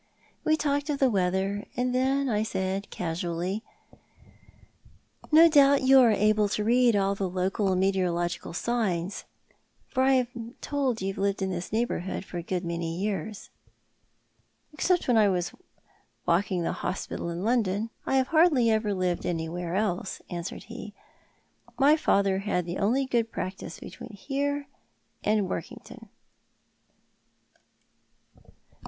We talked of the weather, and then I said, casually —" No doubt you are able to read all the local meteorological signs, for I am told you have lived in this neighbourliood for a good many years." " Except when I was walking tlio hospital in London, I bavo hardly ever lived anywhere else," answereil he. " 2Iy father had the only good practice between here and Workington. I 276 Tho2i art the Alan.